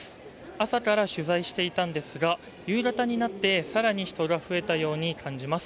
朝から取材していたんですが、夕方になって更に人が増えたように感じます。